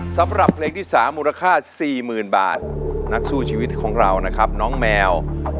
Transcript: สำหรับเพลงที่๓มูลค่า๔๐๐๐บาทนักสู้ชีวิตของเรานะครับน้องแมว